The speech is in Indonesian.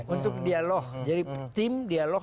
untuk dialog jadi tim dialog